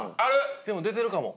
でも出てるかも。